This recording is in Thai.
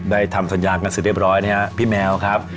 ทำสัญญากันเสร็จเรียบร้อยนะครับพี่แมวครับ